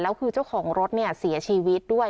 แล้วคือเจ้าของรถเนี่ยเสียชีวิตด้วย